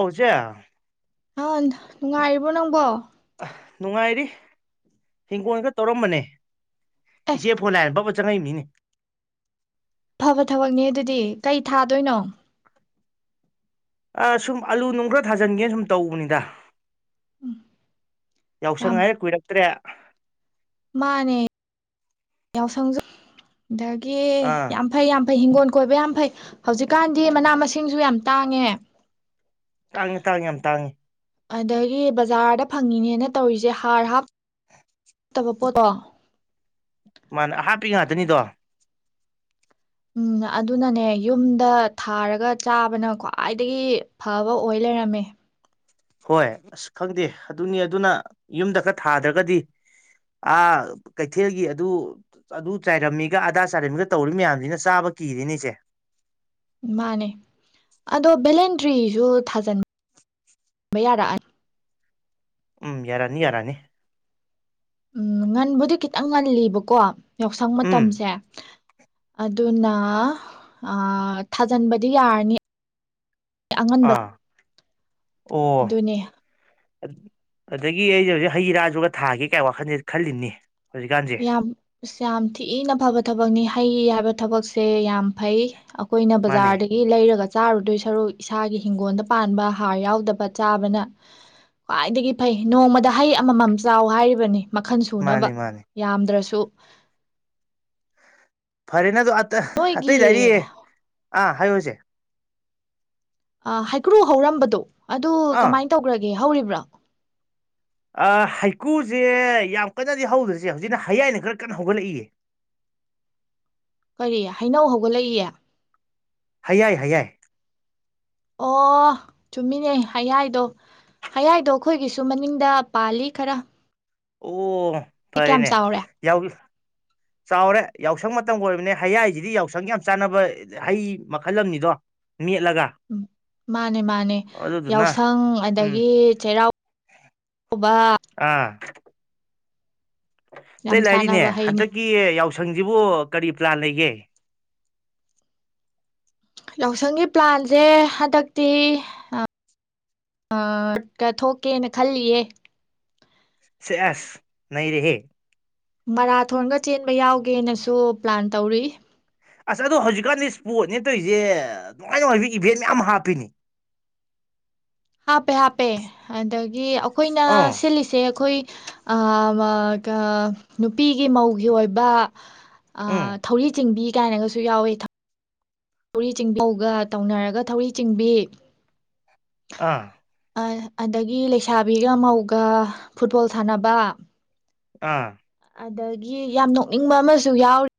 ꯍꯧꯁꯦ ꯑ ꯅꯨꯡꯉꯥꯏꯔꯤꯕꯣ ꯅꯪꯕꯣ ꯅꯨꯡꯉꯥꯏꯔꯤ ꯍꯤꯡꯒꯣꯜ ꯈꯔ ꯇꯧꯔꯝꯕꯅꯦ ꯑꯦ ꯏꯆ‌ꯦ ꯐꯣꯟ ꯂꯥꯛꯑꯦ ꯆꯪꯉꯩꯝꯅꯤꯅ‌ꯦ ꯐꯕ ꯊꯕꯛꯅꯦ ꯑꯗꯨꯗꯤ ꯀꯩ ꯊꯥꯗꯣꯏꯅꯣ ꯑ ꯁꯨꯝ ꯑꯂꯨ ꯅꯨꯡ ꯈ꯭ꯔ ꯊꯥꯖꯤꯟꯒꯦꯅ ꯁꯨꯝ ꯇꯧꯕꯅꯤꯗ ꯎꯝ ꯌꯥꯎꯁꯪ ꯌꯥꯝ ꯍꯥꯏꯔꯦ ꯀꯨꯏꯔꯛꯇ꯭ꯔꯦ꯫ ꯃꯥꯅꯦ ꯌꯥꯎꯁꯪꯖ ꯗꯒꯤ ꯑꯥ ꯌꯥꯝ ꯐꯩ ꯌꯥꯝ ꯍꯤꯡꯒꯣꯜ ꯀꯣꯏꯕ ꯌꯥꯝ ꯐꯩ, ꯍꯧꯖꯤꯛꯀꯥꯟꯗꯤ ꯃꯅꯥ- ꯃꯁꯤꯡꯖꯨ ꯌꯥꯝ ꯇꯥꯡꯉꯦ꯫ ꯇꯥꯡꯉꯤ - ꯇꯥꯡꯉꯤ ꯌꯥꯝ ꯇꯥꯡꯉꯤ꯫ ꯑꯗꯒꯤ ꯕꯖꯥꯔꯗ ꯐꯪꯉꯤꯅꯦꯅ ꯇꯧꯔꯤꯖꯦ ꯍꯥꯔ ꯍꯥꯞ ꯇꯕ ꯄ‌ꯣꯠ ꯑꯣ ꯃꯥꯅꯦ ꯑꯥꯍꯥꯞꯄꯤ ꯉꯥꯛꯇꯅꯤꯗꯣ꯫ ꯎꯝ ꯑꯗꯨꯅꯅꯦ ꯌꯨꯝꯗ ꯊꯥꯔꯒ ꯆꯥꯕꯅ ꯈ꯭ꯋꯥꯏꯗꯒꯤ ꯐꯕ ꯑꯣꯏ ꯂꯩꯔꯝꯃꯦ꯫ ꯍꯣꯏ ꯑꯁ ꯈꯪꯗꯦ ꯑꯗꯨꯅꯤ ꯑꯗꯨꯅ ꯌꯨꯝꯗ ꯈꯔ ꯊꯥꯗ꯭ꯔꯒꯗꯤ ꯑꯥ ꯀꯩꯊꯦꯜꯒꯤ ꯑꯗꯨ, ꯑꯗꯨ ꯆꯥꯏꯔꯝꯃꯤꯒ ꯑꯗꯥ ꯆꯥꯏꯔꯝꯃꯤꯒ ꯇꯧꯔꯤ ꯃꯌꯥꯝꯁꯤꯅ ꯆꯥꯕ ꯀꯤꯔꯦꯅꯦ ꯑꯩꯁꯦ꯫ ꯃꯥꯅꯦ ꯑꯗꯣ ꯚꯦꯂꯦꯟꯇ꯭ꯔꯤꯁꯨ ꯊꯥꯖꯤꯟꯕ ꯌꯥꯔꯛꯑꯅꯤ꯫ ꯎꯝ ꯌꯥꯔꯅꯤ- ꯌꯥꯔꯅꯤ꯫ ꯎꯝ ꯉꯟꯕꯨꯗꯤ ꯈꯤꯇꯪ ꯉꯜꯂꯤꯕꯀꯣ ꯌꯥꯎꯁꯪ ꯎꯝ ꯃꯇꯝꯁꯦ ꯑꯗꯨꯅ ꯑꯥ ꯊꯥꯖꯤꯟꯕꯗꯤ ꯌꯥꯔꯅꯤ ꯑꯉꯟꯕ ꯑꯥ ꯑꯗꯨꯅꯦ ꯑꯗ ꯑꯗꯒꯤ ꯑꯩꯁꯦ ꯍꯧꯖꯤꯛ ꯍꯩ ꯔꯥꯁꯨꯒ ꯊꯥꯒꯦ ꯀꯥꯏ ꯋꯥꯈꯜꯁ‌ꯦ ꯈꯜꯂꯤꯝꯅꯤ꯫ ꯌꯥꯝ ꯑꯁ ꯌꯥꯝ ꯊꯤꯅ ꯐꯕ ꯊꯕꯛꯅꯤ ꯍꯩꯔꯥ ꯊꯕꯛꯁꯦ ꯌꯥꯝ ꯐꯩ ꯑꯩꯈꯣꯏꯅ ꯃꯥꯅꯦ ꯕꯖꯥꯔꯗꯒꯤ ꯂꯩꯔꯒ ꯆꯥꯔꯨꯗꯣꯏ ꯁꯔꯨꯛ ꯏꯁꯥꯒꯤ ꯍꯤꯡꯒꯣꯜꯗ ꯄꯥꯟꯕ ꯍꯥꯔ ꯌꯥꯎꯗꯕ ꯆꯥꯕꯅ ꯈ꯭ꯋꯥꯏꯗꯒꯤ ꯐꯩ ꯅꯣꯡꯃꯗ ꯍꯩ ꯑꯃꯃꯝ ꯆꯥꯎ ꯍꯥꯏꯔꯤꯕꯅꯤ ꯃꯈꯜ ꯁꯨꯅꯕ ꯃꯥꯅꯤ ꯃꯥꯅꯤ ꯈꯗ꯭ꯔꯁꯨ ꯐꯔꯦꯅꯦ ꯑ ꯑꯇꯩ ꯂꯥꯏꯔꯤꯌ‌ꯦ ꯑꯥ ꯍꯥꯏꯨꯖꯦ ꯍꯩꯀ꯭ꯔꯨ ꯍꯧꯔꯝꯕꯗꯣ ꯑꯗꯨ ꯀꯃꯥꯏꯅ ꯇꯧꯈ꯭ꯔꯒꯦ ꯍꯧꯔꯤꯕ꯭ꯔꯥ ꯍꯩꯀꯨꯁꯦ ꯌꯥꯝ ꯀꯟꯅꯗꯤ ꯍꯧꯗ꯭ꯔꯁꯦ ꯍꯧꯖꯤꯛꯅ ꯍꯌꯥꯏꯅ ꯈꯔ ꯀꯟꯅ ꯍꯧꯒꯠꯂꯛꯏꯌꯦ ꯀꯔꯤ ꯍꯩꯅꯧ ꯍꯧꯒꯠꯂꯛꯏꯌꯦ ꯍ ꯌꯥꯏ ꯍ ꯌꯥꯏ ꯑꯣ ꯆꯨꯝꯃꯤꯅꯦ ꯍꯌꯥꯏꯗꯣ ꯍꯌꯥꯏꯗꯣ ꯑꯩꯈꯣꯏꯒꯤꯁꯨ ꯃꯅꯤꯡꯗ ꯄꯥꯜꯂꯤ ꯈꯔ ꯑꯣ ꯁꯤ ꯀꯌꯥꯝ ꯐꯔꯦꯅꯦ ꯆꯥꯎꯔꯦ ꯌꯥꯎ ꯆꯥꯎꯔꯦ ꯌꯥꯎꯁꯪ ꯃꯇꯝꯒ ꯑꯣꯏꯕꯅꯦ ꯍꯌꯥꯏꯁꯤꯗꯤ ꯌꯥꯎꯁꯪꯒꯤ ꯌꯥꯝ ꯆꯥꯟꯅꯕ ꯍꯩ ꯃꯈꯜ ꯑꯃꯅꯤꯗꯣ ꯃꯦꯠꯂꯒ ꯎꯝ ꯃꯥꯅꯦ ꯃꯥꯅꯦ ꯑꯗꯨꯗꯨꯅ ꯌꯥꯎꯁꯪ ꯎꯝ ꯑꯗꯒꯤ ꯆꯩꯔꯥꯎꯕ ꯑꯥ ꯌꯥꯝ ꯀꯇꯩ ꯂꯩꯔꯤꯅꯦ ꯆꯥꯟꯅꯕ ꯍꯩꯅꯤ ꯍꯟꯗꯛꯀꯤ ꯌꯥꯎꯁꯪꯁꯤꯕꯨ ꯀꯔꯤ ꯆ꯭ꯂꯥ ꯂꯩꯌꯦ ꯌꯥꯎꯁꯪꯒꯤ ꯄ꯭ꯂꯥꯟꯁꯦ ꯍꯟꯗꯛꯇꯤ ꯀ ꯊꯣꯛꯀꯦꯅ ꯈꯜꯂꯤꯌꯦ ꯁꯦ ꯑꯁ ꯅ ꯔꯦꯍꯦ ꯃꯔꯥꯊꯣꯟꯒ ꯆꯦꯟꯕ ꯌꯥꯎꯒꯦꯅꯁꯨ ꯄ꯭ꯂꯥꯟ ꯇꯧꯔꯤ ꯑꯁ ꯑꯗꯣ ꯍꯧꯖꯤꯛꯀꯥꯟꯗꯤ ꯏꯁꯄꯣꯔꯠꯅꯦ ꯇꯧꯔꯤꯁꯦ ꯅꯨꯡꯉꯥꯏ ꯅꯨꯡꯉꯥꯏꯕ ꯏꯚꯦꯟ ꯃꯌꯥꯝ ꯍꯥꯞꯄꯤꯅꯤ ꯍꯥꯞꯄꯦ ꯍꯥꯞꯄꯦ ꯑꯗꯒꯤ ꯑꯩꯈꯣꯏꯅ ꯑꯥ ꯁꯤꯜꯂꯤꯁꯦ ꯑꯩꯈꯣꯏ ꯅꯨꯄꯤꯒꯤ ꯃꯧꯒꯤ ꯑꯣꯏꯕ ꯎꯝ ꯊꯧꯔꯤ ꯆꯤꯡꯕꯤ ꯀꯥꯏꯅꯒꯁꯨ ꯌꯥꯎꯋꯦ ꯊꯧꯔꯤ ꯆꯤꯡꯕꯤꯒ ꯇꯧꯅꯔꯒ ꯊꯧꯔꯤ ꯆꯤꯡꯕꯤ ꯑꯥ ꯑꯗꯒꯤ ꯂꯩꯁꯥꯕꯤꯒ ꯃꯧꯒ ꯐꯨꯠꯕꯣꯜ ꯁꯥꯟꯅꯕ ꯑꯥ ꯑꯗꯒꯤ ꯌꯥꯝ ꯅꯣꯛꯅꯤꯡꯕ ꯑꯃꯁꯨ ꯌꯥꯎꯔꯤ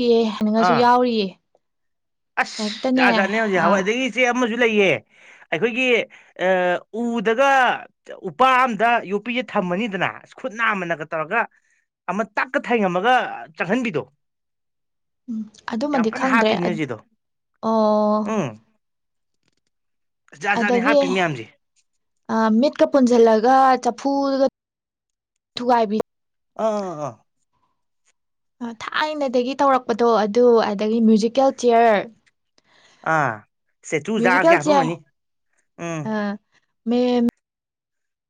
ꯌꯥꯎꯌꯦꯦ ꯅꯅꯤꯡꯉꯁꯨ ꯑꯥ ꯌꯥꯎꯔꯤꯌꯦ ꯑꯁ ꯍꯦꯛꯇꯅꯦ ꯖꯥꯠꯖꯥꯠꯅꯤ ꯍꯧꯖꯤꯛ ꯍꯋꯥꯏꯗꯒꯤ ꯏꯆꯦ ꯑꯃꯁꯨ ꯂꯩꯌꯦ ꯑꯩꯈꯣꯏꯒꯤ ꯎꯗꯒ ꯎꯄꯥ ꯑꯝꯗ ꯌꯣꯛꯄꯤꯁꯦ ꯊꯝꯃꯅꯤꯗꯅ ꯈꯨꯠ ꯅꯥꯝꯃꯅꯒ ꯇꯧꯔꯒ ꯑꯃ ꯇꯛꯀ ꯊꯩꯉꯝꯃꯒ ꯆꯪꯍꯟꯕꯤꯗꯣ꯫ ꯎꯝ ꯌꯥꯝ ꯑꯗꯨꯃꯗꯤ ꯀꯟꯅ ꯈꯪꯗ꯭ꯔꯦ ꯍꯥꯞꯄꯤꯅꯦ ꯍꯧꯖꯤꯛꯗꯣ ꯑꯣ ꯎꯝ ꯖꯥꯠ ꯖꯥꯠꯅꯤ ꯑꯗꯒꯤ ꯍꯥꯞꯄꯤ ꯃꯌꯥꯝꯁꯦ ꯃꯤꯠꯀ ꯄꯨꯟꯁꯤꯜꯂꯒ ꯆꯐꯨꯒ ꯊꯨꯒꯥꯏꯕꯤ ꯑꯥ ꯑꯥ ꯊꯥꯏꯅꯗꯒꯤ ꯇꯧꯔꯛꯄꯗꯣ ꯑꯗꯨ ꯑꯗꯒꯤ ꯃ꯭ꯌꯨꯖꯤꯀꯦꯜ ꯆꯤꯌꯔ ꯑꯥ ꯇꯨ ꯌꯥꯖꯒꯦ ꯃ꯭ꯌꯨꯖꯤꯀꯦꯜ ꯍꯥꯞꯄꯃꯅꯤ ꯆꯤꯌꯔ ꯎꯝ ꯃ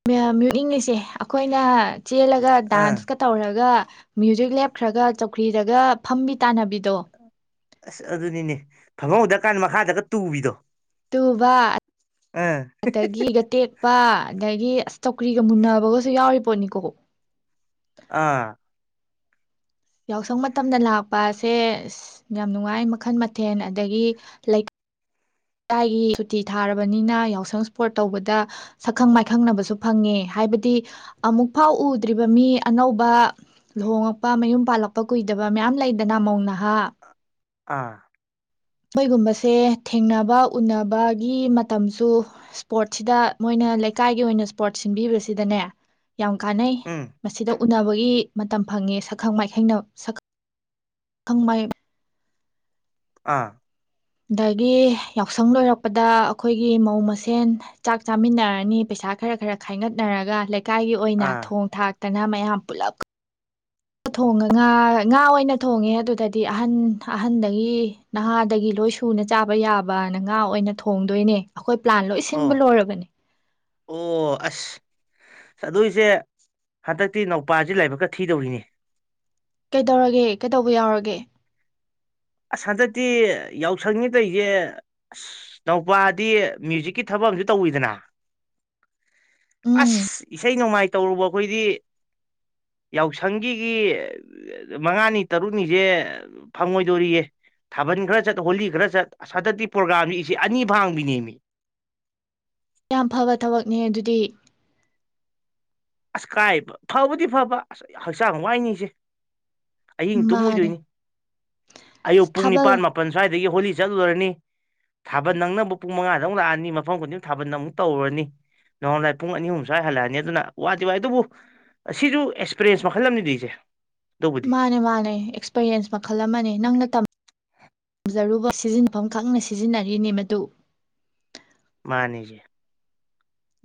ꯃ ꯌꯣꯛ ꯏꯂꯤꯁꯦ ꯑꯩꯈꯣꯏꯅ ꯆꯦꯜꯂꯒ ꯑꯥ ꯗꯥꯟꯁꯀ ꯇꯧꯔꯒ ꯃ꯭ꯌꯨꯖꯤꯛ ꯂꯦꯞꯈ꯭ꯔꯒ ꯆꯧꯈ꯭ꯔꯤꯗꯒ ꯐꯝꯕꯤ ꯇꯥꯟꯅꯕꯤꯗꯣ ꯑꯁ ꯑꯗꯨꯅꯤꯅꯦ ꯐꯝꯃꯧꯗ꯭ꯔꯀꯥꯟꯗ ꯃꯈꯥꯗꯒ ꯇꯨꯕꯤꯗꯣ ꯇꯨꯕ ꯑꯥ ꯑꯗꯒꯤ ꯒꯇꯦꯛꯄ ꯑꯗꯒꯤ ꯆꯧꯀ꯭ꯔꯤꯒ ꯃꯨꯟꯅꯕꯒꯁꯨ ꯌꯥꯎꯔꯤ ꯄꯣꯠꯅꯤꯀꯣ ꯑꯥ ꯌꯥꯎꯁꯪ ꯃꯇꯝꯗ ꯂꯥꯛꯄꯁꯦ ꯌꯥꯝ ꯅꯨꯡꯉꯥꯏ ꯃꯈꯜ ꯃꯊꯦꯜ ꯑꯗꯒꯤ ꯂꯩꯀꯥꯏ꯫ ꯂꯩꯥꯀꯥꯏꯒꯤ ꯁꯨꯇꯤ ꯊꯥꯔꯕꯅꯤꯅ ꯌꯥꯎꯁꯪ ꯏꯁꯄꯣꯔꯠ ꯇꯧꯕꯗ ꯁꯛꯈꯪ ꯃꯥꯏꯈꯪꯅꯕꯁꯨ ꯐꯪꯉꯦ ꯍꯥꯏꯕꯗꯤ ꯑꯃꯨꯛꯐꯥꯎ ꯎꯗ꯭ꯔꯤꯕ ꯃꯤ ꯑꯅꯧꯕ ꯂꯨꯍꯣꯡꯉꯛꯄ ꯃꯌꯨꯝ ꯄꯥꯜꯂꯛꯄ ꯀꯨꯏꯗꯕ ꯃꯌꯥꯝ ꯂꯩꯗꯅ ꯃꯧꯅꯥ ꯍꯥ ꯑꯥ ꯃꯣꯒꯨꯝꯕꯁꯦ ꯊꯦꯡꯅꯕ ꯎꯅꯕꯒꯤ ꯃꯇꯝꯁꯨ ꯏꯁꯄꯣꯔꯠꯁꯤꯗ ꯃꯣꯏꯅ ꯂꯩꯀꯥꯏꯒꯤ ꯑꯣꯏꯅ ꯏꯁꯄꯣꯔꯠ ꯁꯤꯟꯕꯤꯕꯁꯤꯗꯅꯦ ꯌꯥꯝ ꯀꯥꯟꯅꯩ ꯎꯝ ꯃꯁꯤꯗ ꯎꯅꯕꯒꯤ ꯃꯇꯝ ꯐꯪꯉꯦ ꯁꯛꯈꯪ ꯃꯥꯏꯈꯩꯅ ꯁꯈꯪ ꯃꯥꯏ꯫ ꯑꯥ ꯑꯗꯒꯤ ꯌꯥꯎꯁꯪ ꯂꯣꯏꯔꯛꯄꯗ ꯑꯩꯈꯣꯏꯒꯤ ꯃꯧ ꯃꯁꯦꯟ ꯆꯥꯛ ꯆꯥꯃꯤꯟꯅꯔꯅꯤ ꯄꯩꯁꯥ ꯈꯔ ꯈꯔ ꯈꯥꯏꯒꯠꯅꯔꯒ꯫ ꯂꯩꯀꯥꯏꯒꯤ ꯑꯣꯏꯅ ꯑꯥ ꯊꯣꯡ ꯊꯥꯛ ꯇꯅ ꯃꯌꯥꯝ ꯄꯨꯨꯂꯒ ꯊꯣꯡꯉ ꯉꯥ ꯉꯥ ꯑꯣꯏꯅ ꯊꯣꯡꯉꯦ ꯑꯗꯨꯗꯗꯤ ꯑꯍꯟ ꯑꯍꯟꯗꯒꯤ ꯅꯍꯥꯗꯒꯤ ꯂꯣꯏ ꯁꯨꯅ ꯆꯥꯕ ꯌꯥꯕꯅ ꯉꯥ ꯑꯣꯏꯅ ꯊꯣꯡꯗꯣꯏꯅꯦ ꯑꯩꯈꯣꯏ ꯄ꯭ꯂꯥꯟ ꯂꯣꯏ ꯑꯣ ꯁꯤꯟꯕ ꯂꯣꯏꯔꯕꯅꯤ ꯑꯣ ꯑꯁ ꯑꯗꯨꯏꯁꯦ ꯍꯟꯗꯛꯇꯤ ꯅꯧꯄꯥꯁꯤ ꯂꯥꯏꯕꯛꯀ ꯊꯤꯗꯧꯔꯤꯅꯦ ꯀꯩꯗꯧꯔꯒꯦ ꯀꯩꯗꯧꯕ ꯌꯥꯎꯔꯒꯦ ꯑꯁ ꯍꯟꯗꯛꯇꯤ ꯌꯥꯎꯁꯪꯅꯤ ꯇꯔꯤꯁꯦ ꯑꯁ ꯅꯎꯄꯥꯗꯤ ꯃ꯭ꯌꯨꯖꯤꯛꯀꯤ ꯊꯕꯛ ꯑꯝꯨ ꯇꯧꯋꯤꯗꯅ꯫ ꯎꯝ ꯑꯁ ꯏꯁꯩ ꯅꯣꯡꯃꯥꯏ꯫ ꯇꯧꯔꯨꯕ ꯑꯩꯈꯣꯏꯗꯤ ꯌꯥꯎꯁꯪꯒꯤꯒꯤ ꯃꯉꯥꯅꯤ ꯇꯔꯨꯛꯅꯤꯁꯦ ꯐꯪꯉꯣꯏ ꯗꯣꯔꯤꯌꯦ ꯊꯥꯕꯜ ꯈꯔ ꯆꯠ ꯍꯣꯂꯤ ꯈꯔ ꯆꯠ ꯍꯟꯗꯛꯇꯤ ꯄ꯭ꯔꯣꯒ꯭ꯔꯥꯝꯁꯤ ꯑꯅꯤ ꯐꯥꯡꯕꯤꯅꯦꯃꯤ ꯌꯥꯝ ꯐꯕ ꯊꯕꯛꯅꯦ ꯑꯗꯨꯗꯤ ꯑꯁ ꯀꯥꯏ ꯐꯕꯨꯗꯤ ꯐꯕ ꯑꯁ ꯍꯛꯆꯥꯡ ꯋꯥꯏꯅꯤꯁꯦ ꯑꯍꯤꯡ ꯃꯥꯅꯦ ꯇꯨꯝꯃꯣꯏꯗꯣꯏꯅꯤ ꯑꯌꯨꯛ ꯄꯨꯡ ꯊꯥꯕꯜ ꯅꯤꯄꯥꯥꯟ ꯃꯥꯄꯜ ꯁ꯭ꯋꯥꯏꯗ ꯑꯗꯒꯤ ꯍꯣꯂꯤ ꯆꯠꯂꯨꯔꯅꯤ ꯊꯥꯕꯜ ꯅꯪꯅꯕ ꯄꯨꯡ ꯃꯉꯥꯗ ꯑꯃꯨꯛ ꯂꯥꯛꯑꯅꯤ, ꯃꯐꯝ ꯈꯨꯗꯤꯡꯃꯛ ꯊꯥꯕꯜ ꯑꯃꯨꯛ ꯇꯧꯔꯨꯔꯅꯤ ꯅꯣꯉꯥꯜꯂꯝꯗꯥꯏ ꯄꯨꯡ ꯑꯅꯤ- ꯑꯍꯨꯝ ꯁ꯭ꯋꯥꯏ ꯍꯜꯂꯛꯑꯅꯤ ꯑꯗꯨꯅ ꯋꯥꯗꯤ ꯋꯥꯏ ꯑꯗꯨꯕꯨ ꯑꯁꯤꯖꯨ ꯑꯦꯛꯁꯄꯤꯔꯦꯟꯁ ꯃꯈꯜ ꯑꯃꯅꯤꯗ ꯏꯆꯦ꯫ ꯑꯗꯨꯕꯨꯗꯤ ꯃꯥꯅꯦ- ꯃꯥꯅꯦ ꯑꯦꯛꯁꯄꯤꯔꯤꯌꯦꯟꯁ ꯃꯈꯜ ꯑꯃꯅꯦ ꯅꯪꯅ ꯇꯝꯖꯔꯨꯕ ꯁꯤꯖꯤꯟꯅꯐꯝ ꯈꯪꯅ ꯁꯤꯖꯤꯟꯅꯔꯤꯅꯤ ꯃꯗꯨ꯫ ꯃꯥꯅꯤꯅꯦ꯫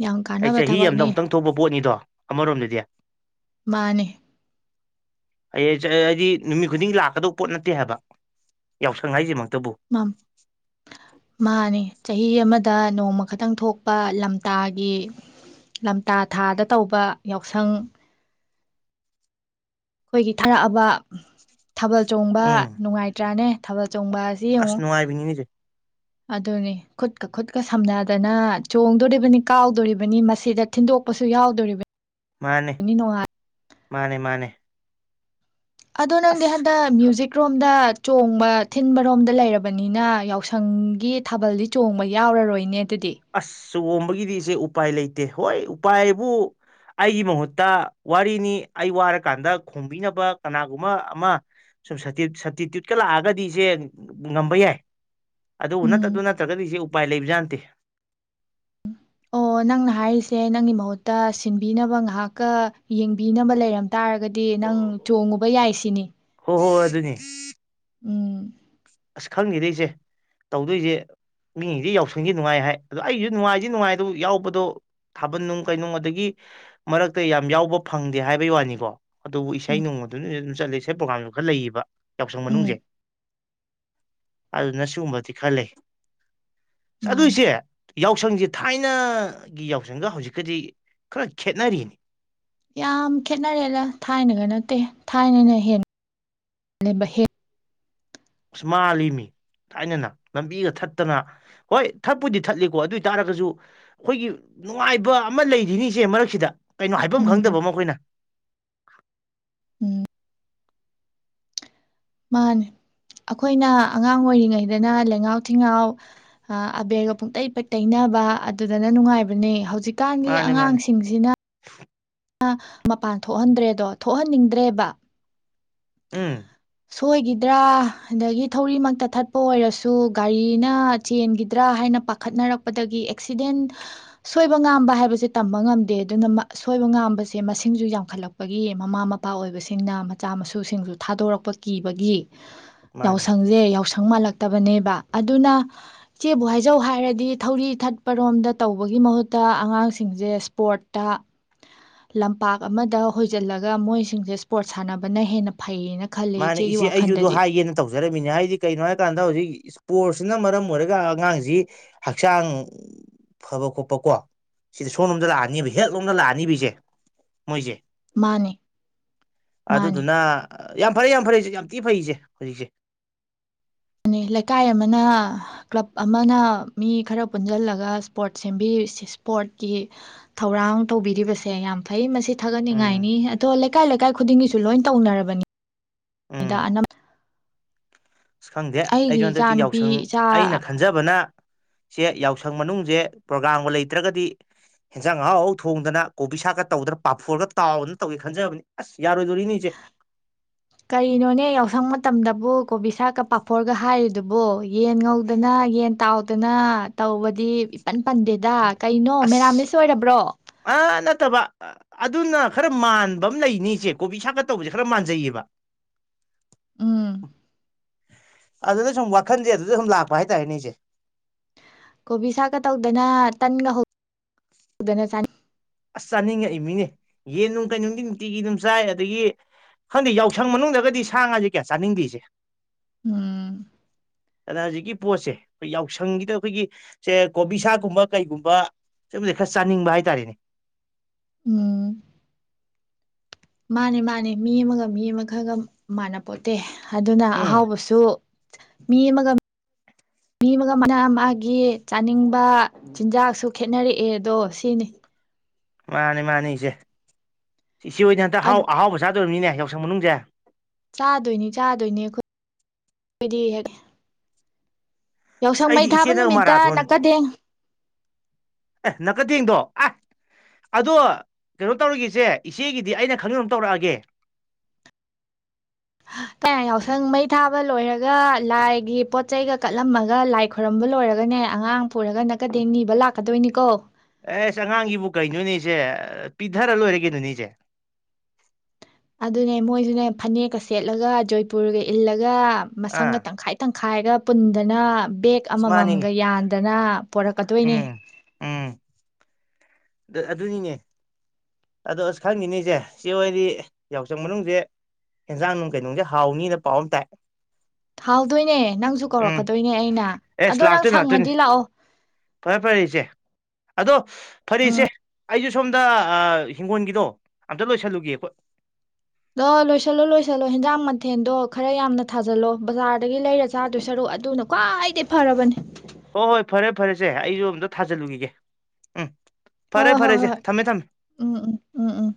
ꯌꯥꯝ ꯑꯩ ꯀꯥꯟꯅꯕ ꯆꯍꯤ ꯑꯃꯗ ꯊꯕꯛꯅꯤ ꯑꯃꯨꯛꯇꯪ ꯊꯣꯛꯄ ꯄꯣꯠꯅꯤꯗꯣ ꯑꯃꯔꯣꯝꯗꯗꯤ꯫ ꯑꯩ ꯃꯥꯅꯦ ꯍꯥꯏꯗꯤ ꯅꯨꯃꯤꯠ ꯈꯨꯗꯤꯡꯒꯤ ꯂꯥꯛꯀꯗꯧꯕ ꯄꯣꯠ ꯅꯠꯇꯦ ꯍꯥꯏꯕ, ꯌꯥꯎꯁꯪ ꯍꯥꯏꯁꯤꯃꯛꯇ꯫ ꯃꯝ ꯃꯥꯅꯤ꯫ ꯆꯍꯤ ꯑꯃꯗ ꯅꯣꯡꯃ ꯈꯛꯇꯪ ꯊꯣꯛꯄ ꯂꯝꯇꯥꯒꯤ ꯂꯝꯇꯥ ꯊꯥꯗ ꯇꯧꯕ ꯌꯥꯎꯁꯪ ꯑꯩꯈꯣꯏꯒꯤ ꯊꯥꯔꯛꯑꯕ ꯊꯥꯕꯜ ꯆꯣꯡꯕ ꯎꯝ ꯅꯨꯡꯉꯥꯏꯇ꯭ꯔꯥꯅꯦ? ꯊꯕꯜ ꯆꯣꯡꯕꯥ ꯑꯁꯤ ꯑꯁ ꯌꯦꯡꯉꯨ ꯅꯨꯡꯉꯥꯏꯕꯤꯅꯤꯅꯦ ꯏꯆꯦ ꯑꯗꯨꯅꯤ ꯈꯨꯠ ꯈꯨꯠꯀ ꯈꯨꯠꯀ ꯁꯝꯅꯗꯅ ꯆꯣꯡꯗꯣꯔꯤꯕꯅꯤ- ꯀꯥꯎꯗꯣꯔꯤꯕꯅꯤ ꯃꯁꯤꯗ ꯊꯤꯟꯗꯣꯛꯄꯁꯨ ꯌꯥꯎꯗꯣꯔꯤꯕꯅꯤ꯫ ꯃꯥꯅꯦ꯫ ꯃꯥꯅꯦ- ꯃꯥꯅꯦ꯫ ꯑꯗꯣ ꯅꯪꯗꯤ ꯑꯁ ꯍꯟꯗꯛ ꯃ꯭ꯌꯨꯖꯤꯛ ꯔꯣꯝꯗ ꯆꯣꯡꯕ ꯊꯤꯟꯕꯔꯣꯝꯗ ꯂꯩꯔꯕꯅꯤꯅ ꯌꯥꯎꯁꯪꯒꯤ ꯊꯥꯕꯜꯗꯤ ꯆꯣꯡꯕ ꯌꯥꯎꯔꯔꯣꯏꯅꯦ꯫ ꯑꯗꯨꯗꯤ ꯆꯣꯡꯕꯒꯤꯗꯤ ꯏꯆꯦ ꯎꯄꯥꯏ ꯂꯩꯇꯦ ꯍꯣꯏ ꯎꯄꯥꯏꯕꯨ ꯑꯩꯒꯤ ꯃꯍꯨꯠꯇ ꯋꯥꯔꯤꯅꯤ ꯑꯩ ꯋꯥꯔꯀꯥꯟꯗ ꯈꯣꯡꯕꯤꯅꯕ ꯀꯅꯥꯒꯨꯝꯕ ꯑꯃ ꯁꯨꯝ ꯁꯕꯇꯤꯇ꯭ꯌꯨꯠꯀ ꯂꯥꯛꯑꯒꯗꯤ ꯏꯆꯦ ꯉꯝꯕ ꯌꯥꯏ꯫ ꯑꯗꯨꯕꯨ ꯅꯠꯇ ꯎꯝ ꯑꯗꯨ ꯅꯠꯇ꯭ꯔꯒꯗꯤ ꯁꯤ ꯎꯄꯥꯏ ꯂꯩꯕꯖꯥꯥꯠꯅꯇꯦ꯫ ꯑꯣ ꯅꯪꯅ ꯍꯥꯏꯔꯤꯁꯦ ꯅꯪꯒꯤ ꯃꯍꯨꯠꯇ ꯁꯤꯟꯕꯤꯅꯕ ꯉꯥꯏꯍꯥꯛꯀ ꯌꯦꯡꯕꯤꯅꯕ ꯂꯩꯔꯝ ꯇꯥꯔꯒꯗꯤ ꯅꯪ ꯆꯣꯡꯉꯨ ꯕ ꯌꯥꯏ ꯁꯤꯅꯤ꯫ ꯑꯣ ꯍꯣꯏ ꯍꯣꯏ ꯑꯗꯨꯅꯦ꯫ ꯎꯝ꯫ ꯑꯁ ꯈꯪꯗꯦꯗꯥ ꯏꯆꯦ ꯇꯧꯗꯣꯏꯖꯦ ꯃꯤꯗꯤ ꯌꯥꯎꯁꯪꯁꯤ ꯅꯨꯡꯉꯥꯏ ꯍꯥꯏ ꯑꯗꯣ ꯑꯩꯁꯨ ꯅꯨꯡꯉꯥꯏꯗꯤ ꯅꯨꯡꯉꯥꯏ ꯑꯗꯨꯕꯨ ꯌꯥꯎꯕꯗꯣ ꯊꯥꯕꯜꯅꯨꯡ ꯀꯩꯅꯨꯡ ꯑꯗꯒꯤ ꯃꯔꯛꯇ ꯌꯥꯝ ꯌꯥꯎꯕ ꯐꯪꯗꯦ ꯍꯥꯏꯕꯩ ꯋꯥꯅꯤꯀꯣ꯫ ꯑꯗꯨꯕꯨ ꯏꯁꯩ ꯎꯝ ꯅꯣꯡꯃꯗꯨꯅ ꯆꯠꯂꯤꯁꯦ ꯄ꯭ꯔꯣꯒꯥꯝꯗꯨ ꯈꯔ ꯂꯩꯌꯦꯕ꯫ ꯌꯥꯎꯁꯪ ꯎꯝ ꯃꯅꯨꯡꯖꯦ꯫ ꯑꯗꯨꯅ ꯁꯤꯒꯨꯝꯕꯗꯤ ꯈꯔ ꯂꯩ꯫ ꯑꯗꯨ ꯃꯥꯅꯤ ꯏꯆꯦ ꯌꯥꯎꯁꯪꯖꯦ ꯊꯥꯏꯅꯒꯤ ꯌꯥꯎꯁꯪꯒ ꯍꯧꯖꯤꯛꯀꯗꯤ ꯈꯔ ꯈꯦꯠꯅꯔꯦꯅꯦ꯫ ꯌꯥꯝ ꯈꯦꯠꯅꯔꯦꯗ ꯊꯥꯏꯅꯒ ꯅꯠꯇꯦ ꯊꯥꯏꯅꯅ ꯍꯦꯟ ꯂꯦꯝꯕ ꯍꯦꯜ ꯑꯁ ꯃꯥꯜꯂꯤ ꯃꯤ ꯊꯥꯏꯅꯅ ꯂꯝꯕꯤꯒ ꯊꯠꯇꯅ ꯍꯣꯏ ꯊꯠꯄꯨꯗꯤ ꯊꯠꯂꯤꯀꯣ ꯑꯗꯨ ꯑꯣꯏ ꯇꯥꯔꯒꯁꯨ ꯑꯩꯈꯣꯏꯒꯤ ꯅꯨꯡꯉꯥꯏꯕ ꯑꯃ ꯂꯩꯔꯤꯅꯤ ꯏꯆꯦ ꯃꯔꯛꯁꯤꯗ ꯀꯩꯅꯣ ꯍꯥꯏꯐꯝ ꯈꯪꯗꯕ ꯎꯝ ꯑꯃ ꯑꯩꯈꯣꯏꯅ ꯎꯝ ꯃꯥꯅꯦ ꯑꯩꯈꯣꯏꯅ ꯑꯉꯥꯡ ꯑꯣꯏꯔꯤꯉꯩꯗꯅ ꯂꯩꯉꯥꯎ ꯊꯤꯉꯥꯎ ꯑꯕꯦꯔꯒ ꯄꯨꯡꯇꯩꯩ ꯇꯩꯅꯕ ꯑꯗꯨꯗꯅ ꯅꯨꯡꯉꯥꯏꯕꯅꯦ ꯍꯧꯖꯤꯛ ꯍꯨꯀꯥꯟꯒꯤ ꯃꯥꯅꯦ ꯃꯥꯅꯦ ꯑꯉꯥꯡꯁꯤꯡꯁꯤꯅ ꯃꯄꯥꯟ ꯊꯣꯛꯍꯟꯗ꯭ꯔꯦꯗꯣ ꯊꯣꯛꯍꯟꯅꯤꯡꯗ꯭ꯔꯦꯕ ꯎꯝ ꯁꯣꯏꯈꯤꯗ꯭ꯔꯥ ꯑꯗꯒꯤ ꯊꯧꯔꯤꯃꯛꯇ ꯊꯠꯄ ꯑꯣꯏꯔꯁꯨ ꯒꯥꯔꯤꯅ ꯆꯦꯟꯈꯤꯗ꯭ꯔꯥ ꯍꯥꯏꯅ ꯄꯥꯈꯠꯅꯔꯛꯄꯗꯒꯤ ꯑꯦꯛꯁꯤꯗꯦꯟ ꯁꯣꯏꯕ ꯉꯥꯝꯕ ꯍꯥꯏꯕꯁꯦ ꯇꯝꯕ ꯉꯝꯗꯦ ꯑꯗꯨꯅ ꯁꯣꯏꯕ ꯉꯥꯝꯕꯁꯦ ꯃꯁꯤꯡꯁꯨ ꯌꯥꯝꯈꯠꯂꯛꯄꯒꯤ ꯃꯃꯥ ꯃꯄꯥ ꯑꯣꯏꯕꯁꯤꯡꯅ ꯃꯆꯥ ꯃꯁꯨ ꯁꯨ ꯁꯤꯡꯁꯨ ꯊꯥꯗꯣꯔꯛꯄ ꯀꯤꯕꯒꯤ ꯃꯥꯅꯦ ꯌꯥꯎꯁꯪꯁꯦ ꯌꯥꯎꯁꯪ ꯁꯪ ꯃꯥꯜꯂꯛꯇꯕꯅꯦꯕ ꯑꯗꯨꯅ ꯏꯆꯦꯕꯨ ꯍꯥꯏꯖꯧ ꯍꯥꯏꯔꯗꯤ ꯊꯧꯔꯤ ꯊꯠꯄꯔꯣꯝꯗ ꯇꯧꯕꯒꯤ ꯃꯍꯨꯠꯇ ꯑꯉꯥꯡꯁꯤꯡꯁꯦ ꯏꯁꯄꯣꯔꯠꯇ ꯂꯝꯄꯥꯛ ꯑꯃꯗ ꯍꯖꯤꯜꯂꯒ ꯃꯣꯏꯁꯤꯡꯁꯦ ꯁꯄꯣꯔꯠ ꯁꯥꯟꯅꯕꯅ ꯍꯦꯟꯅ ꯐꯩꯌꯦꯅ ꯈꯜꯂꯦ ꯃꯥꯅ ꯏꯆꯦꯒꯤ ꯏꯆꯦ ꯑꯩꯁꯨꯗ ꯋꯥꯈꯜꯗꯗꯤ ꯍꯥꯏꯒꯦꯅ ꯇꯧꯖꯔꯝꯃꯤꯅꯦ ꯍꯥꯏꯗꯤ ꯀꯩꯅꯣ ꯍꯥꯏꯔꯀꯥꯟꯗ ꯍꯧꯖꯤꯛ ꯏꯁꯄꯣꯔꯠꯁ ꯑꯁꯤꯅ ꯃꯔꯝ ꯑꯣꯏꯔꯒ ꯑꯉꯥꯡꯁꯤ ꯍꯛꯆꯥꯡ ꯐꯕ ꯈꯣꯠꯄꯀꯣ ꯁꯤꯗ ꯁꯣꯝꯂꯣꯝꯗ ꯂꯥꯛꯑꯅꯤꯕ ꯍꯦꯜꯠꯂꯣꯝꯗ ꯂꯥꯛꯑꯅꯤꯕꯤꯁꯦ ꯃꯣꯏꯁꯦ ꯃꯥꯅꯦ ꯃꯥꯅꯦ ꯑꯗꯨꯗꯨꯅ ꯌꯥꯝ ꯐꯔꯦ ꯌꯥꯝ ꯐꯔꯦꯁꯦ ꯌꯥꯝ ꯊꯤ ꯐꯩꯁꯦ ꯍꯧꯖꯤꯛꯁꯦ ꯂꯩꯀꯥꯏ ꯑꯃꯅ ꯀ꯭ꯂꯕ ꯑꯃꯅ ꯃꯤ ꯈꯔ ꯄꯨꯟꯁꯤꯜꯂꯒ ꯏꯁꯄꯣꯔꯠ ꯁꯦꯝ ꯏꯁꯄꯣꯔꯠꯀꯤ ꯊꯧꯔꯥꯡ ꯇꯧꯕꯤꯔꯤꯕꯁꯦ ꯌꯥꯝ ꯐꯩ ꯃꯁꯤ ꯎꯝ ꯊꯥꯒꯠꯅꯤꯡꯉꯥꯏꯅꯤ ꯑꯗꯣ ꯂ ꯂꯩꯀꯥꯏ ꯂꯩꯀꯥꯏ ꯈꯨꯗꯤꯡꯒꯤꯁꯨ ꯂꯣꯏ ꯇꯧꯅꯔꯕꯅꯤ ꯗꯥ ꯎꯝ ꯑꯅ ꯑꯁ ꯈꯪꯗꯦ ꯑꯩꯒꯤ ꯍꯟꯗꯛꯇꯤ ꯅꯨꯨꯄꯤ ꯌꯥꯎꯁꯪ ꯏꯆꯥ ꯑꯩꯅ ꯈꯟꯖꯕꯅ ꯁꯦ ꯌꯥꯎꯁꯪ ꯃꯅꯨꯡꯁꯦ ꯄ꯭ꯔꯣꯒꯥ꯭ꯔꯝꯒ ꯂꯩꯇ꯭ꯔꯒꯗꯤ ꯍꯦꯟꯖꯥꯡ ꯑꯍꯥꯎ ꯑꯍꯥꯎ ꯊꯣꯡꯗꯅ ꯀꯣꯕꯤ ꯁꯥꯛꯀ ꯇꯧꯗꯅ ꯄꯥꯐꯣꯔꯒ ꯇꯥꯎꯅ ꯇꯧꯒꯦ ꯈꯟꯖꯕꯅꯤ ꯑꯁ ꯌꯥꯔꯣꯏꯗꯣꯔꯤꯅꯤ ꯏꯆꯦ ꯀꯔꯤꯅꯣꯅꯦ ꯌꯥꯎꯁꯪ ꯃꯇꯝꯗꯕꯨ ꯀꯣꯕꯤ ꯁꯥꯛꯀ ꯄꯥꯐꯣꯔꯒ ꯍꯥꯏꯔꯤꯗꯨꯕꯣ ꯌꯦꯟ ꯉꯧꯗꯅ ꯌꯦꯟ ꯇꯥꯎꯗꯅ ꯇꯧꯕꯗꯤ ꯏꯄꯟ ꯄꯟꯗꯦꯗ ꯀꯩꯅꯣ ꯑꯁ ꯃꯦꯔꯥꯝꯂꯤꯁ ꯑꯣꯏꯔꯕ꯭ꯔꯣ ꯑ ꯅꯠꯇꯕ ꯑꯗꯨꯅ ꯈꯔ ꯃꯥꯟꯕ ꯑꯃ ꯂꯩꯅꯤꯆꯦ ꯀꯣꯕꯤ ꯁꯥꯀ ꯇꯧꯕꯁꯦ ꯈꯔ ꯃꯥꯟꯖꯩꯌꯦꯕ ꯎꯝ ꯑꯗꯨꯗ ꯁꯨꯝ ꯋꯥꯈꯟꯁꯦ ꯑꯗꯨꯗ ꯁꯨꯝ ꯂꯥꯛꯄ ꯍꯥꯏꯇꯥꯔꯦꯅꯦꯁꯦ ꯀꯣꯕꯤ ꯁꯥꯥꯛꯀ ꯇꯧꯗꯅ ꯇꯟꯒ ꯍꯧꯗꯅ ꯆ ꯑꯁ ꯆꯥꯅꯤꯡꯉꯛꯏ ꯃꯤꯅꯦ ꯌꯦꯟꯅꯨꯡ ꯀꯩꯅꯨꯡꯗꯤ ꯅꯨꯡꯇꯤꯒꯤ ꯑꯗꯨꯝ ꯆꯥꯏ ꯑꯗꯒꯤ ꯈꯪꯗꯦ ꯌꯥꯎꯁꯪ ꯃꯅꯨꯡꯗꯒꯗꯤ ꯁꯥꯉꯥꯁꯦ ꯀꯌꯥ ꯆꯥꯅꯤꯡꯗꯦꯁꯦ ꯎꯝ ꯑꯗ ꯍꯧꯖꯤꯛꯀꯤ ꯄꯣꯠꯁꯦ ꯑꯩꯈꯣꯏ ꯌꯥꯎꯁꯪꯒꯤꯗ ꯑꯩꯈꯣꯏꯒꯤ ꯁꯦ ꯀꯣꯕꯤ ꯁꯥꯀꯨꯝꯕ ꯀꯩꯒꯨꯝꯕ ꯁꯨꯝꯕꯗ ꯈꯔ ꯆꯥꯅꯤꯡꯕ ꯍꯥꯏꯇꯥꯥꯔꯦꯅꯦ ꯎꯝ ꯃꯥꯅꯦ ꯃꯥꯅꯦ ꯃꯤ ꯑꯃꯒ ꯃꯤ ꯑꯃ ꯈꯔꯒ ꯃꯥꯟꯅ ꯄꯣꯠꯇꯦ ꯑꯗꯨꯅ ꯎꯝ ꯑꯍꯥꯎꯕꯁꯨ ꯃꯤ ꯑꯃꯒ ꯃꯤ ꯑꯃꯒꯅ ꯃꯥꯒꯤ ꯆꯥꯅꯤꯡꯕ ꯆꯤꯟꯖꯥꯛꯁꯨ ꯈꯦꯅꯔꯛꯑꯦ ꯑꯗꯣ ꯁꯤꯅꯤ ꯃꯥꯅꯤ ꯃꯥꯅꯤꯁꯦ ꯁꯤ ꯑꯣꯏꯅ ꯍꯟꯛ ꯑꯥꯎ ꯑꯍꯥꯎꯕ ꯆꯥꯗꯧꯔꯤꯕꯅꯤꯅꯦ ꯍꯥꯏ ꯍꯤꯟꯖꯎꯁꯥꯡ ꯃꯅꯨꯡꯪꯖꯦ ꯆꯥꯗꯣꯏꯅꯤ ꯆꯥꯗꯣꯏꯅꯤ ꯑꯩꯈꯣꯏ ꯍꯥꯏꯗꯤ ꯍꯦꯛ ꯑꯁ ꯌꯥꯎꯁꯪ ꯃꯩ ꯑꯩꯗꯤ ꯊꯥꯕ ꯏꯆꯦꯅꯒ ꯅꯨꯃꯤꯠꯇ ꯃꯔꯥꯊꯣꯟ ꯅꯛꯀꯗꯦꯡ ꯑꯦ ꯅꯥꯀ ꯇꯦꯡꯗꯣ ꯑꯁ ꯑꯗꯣ ꯀꯩꯅꯣ ꯇꯧꯔꯤꯒꯁꯦ ꯏꯆꯦꯒꯤꯗꯤ ꯑꯩꯅ ꯈꯪꯖ ꯇꯧꯔꯛꯑꯒꯦ ꯀꯌꯥ ꯌꯥꯎꯁꯪ ꯃꯩ ꯊꯥꯕ ꯂꯣꯏꯔꯒ ꯂꯥꯏꯒꯤ ꯄꯣꯠꯆꯩꯒ ꯀꯠꯂꯝꯃꯒ ꯂꯥꯏ ꯈꯣꯏꯔꯝꯕ ꯂꯣꯏꯔꯒꯅꯦ ꯑꯉꯥꯡ ꯄꯨꯔꯒ ꯅꯛꯀꯗꯦ ꯅꯤꯕ ꯂꯥꯛꯀꯗꯣꯏꯅꯤꯀꯣ ꯑꯦꯁ ꯑꯉꯥꯡꯒꯤꯕꯨ ꯀꯩꯅꯣꯅꯦꯁꯦ ꯄꯤꯊꯔ ꯂꯣꯏꯔ ꯀꯩꯅꯣꯅꯦꯁꯦ ꯑꯗꯨꯅꯦ ꯃꯣꯏꯗꯨꯅꯦ ꯐꯅꯦꯛꯀ ꯁꯦꯠꯂꯒ ꯖꯣꯏꯄꯨꯔꯒ ꯏꯜꯂꯒ ꯒ ꯃꯁꯝ ꯑꯥ ꯇꯪꯈꯥꯏ ꯇꯪꯈꯥꯏꯔꯒ ꯄꯨꯟꯗꯅ ꯕꯦꯛ ꯑꯁ ꯃꯥꯅꯤꯅꯦ ꯑꯃꯃꯝꯒ ꯌꯥꯟꯗꯅ ꯄꯣꯔꯛꯀꯗꯣꯏꯅꯦ ꯎꯝ ꯎꯝ ꯑꯗꯨꯅꯤꯅꯦ ꯑꯗꯣ ꯑꯁ ꯈꯪꯉꯤꯅꯤꯁꯦ ꯆꯦ ꯍꯣꯏꯗꯤ ꯌꯥꯎꯁꯪ ꯃꯅꯨꯡꯁꯦ ꯑꯦꯟꯖꯥꯡ ꯅꯨꯡ ꯀꯩꯅꯨꯡꯗꯤ ꯍꯥꯎꯅꯤꯅ ꯄꯥꯎ ꯑꯃ ꯇꯥꯏ ꯍꯥꯎꯗꯣꯏꯅꯦ ꯅꯪꯁꯨ ꯎꯝ ꯀꯧꯔꯛꯀꯗꯣꯏꯅꯦ ꯑꯩꯅ ꯑꯦꯁ ꯑꯗꯣ ꯅꯪ ꯂꯥꯛꯇꯣꯏꯅꯤ ꯂꯥꯛꯇꯣꯏꯅꯤ ꯁꯪꯉꯗꯤ ꯂꯥꯛꯑꯣ ꯐꯔꯦ ꯐꯔꯦ ꯏꯆꯦ ꯎꯝ ꯑꯩꯖꯨ ꯁꯣꯝꯗ ꯍꯤꯡꯒꯣꯜꯒꯤꯗꯣ ꯑꯝꯇ ꯂꯣꯏꯁꯜꯂꯨꯒꯦ ꯑꯩꯣꯏ ꯑ ꯂꯣꯏꯁꯤꯜꯂꯣ ꯂꯣꯏꯁꯤꯜꯂꯣ ꯍꯦꯟꯖꯥꯡ ꯃꯊꯦꯜꯗꯣ ꯈꯔ ꯌꯥꯝꯅ ꯊꯥꯖꯜꯂꯣ ꯕꯖꯥꯔꯗꯒꯤ ꯂꯩꯔ ꯆꯥꯗꯣꯏ ꯁꯔꯨꯛ ꯑꯗꯨꯅ ꯈ꯭ꯋꯥꯏꯗꯒꯤꯩ ꯐꯔꯕꯅꯦ ꯍꯣꯏ ꯍꯣꯏ ꯐꯔꯦ ꯐꯔꯦꯁꯦ ꯑꯩꯁꯨ ꯑꯝꯇ ꯊꯥꯖꯤꯜꯂꯨꯈꯤꯒꯦ ꯎꯝ ꯍꯣꯏ ꯐꯔꯦ ꯐꯔꯦ ꯍꯣꯏ ꯏꯆꯦ ꯍꯣꯏ ꯊꯝꯃꯦ ꯊꯝꯃꯦ ꯎꯝ ꯎꯝ ꯎꯝ ꯎꯝ